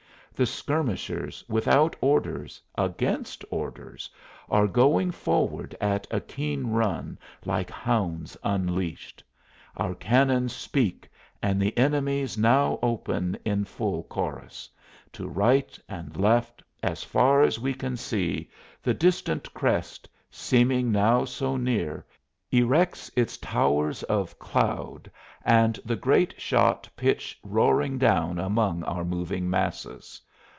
The skirmishers, without orders, against orders, are going forward at a keen run, like hounds unleashed. Our cannon speak and the enemy's now open in full chorus; to right and left as far as we can see, the distant crest, seeming now so near, erects its towers of cloud and the great shot pitch roaring down among our moving masses.